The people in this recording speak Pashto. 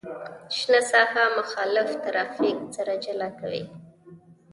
شنه ساحه مخالف ترافیک سره جلا کوي